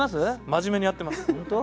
真面目にやってます。本当？